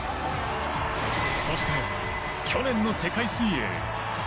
そして去年の世界水泳。